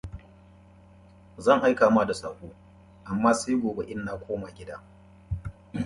There are two side platforms serving two tracks.